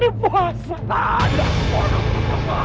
tidak ada apa apa